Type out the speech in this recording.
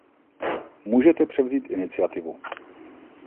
Můžete převzít iniciativu.